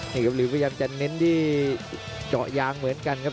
นี่ครับหลิวพยายามจะเน้นที่เจาะยางเหมือนกันครับ